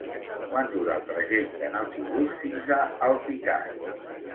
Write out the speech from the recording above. Quant dura el trajecte en autobús fins a Alpicat?